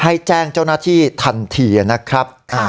ให้แจ้งเจ้าน่าที่ทันทีอะนะครับค่ะ